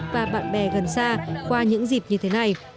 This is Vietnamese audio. và bạn bè gần xa qua những dịp như thế này